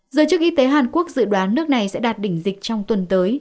giới chức y tế hàn quốc dự đoán nước này sẽ đạt đỉnh dịch trong tuần tới